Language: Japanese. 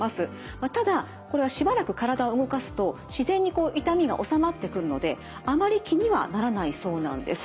ただこれはしばらく体を動かすと自然に痛みが治まってくるのであまり気にはならないそうなんです。